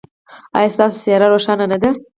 ایا ستاسو څیره روښانه نه ده؟